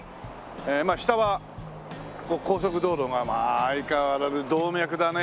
まあ下は高速道路が相変わらず動脈だねえ。